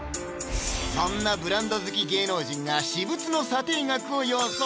そんなブランド好き芸能人が私物の査定額を予想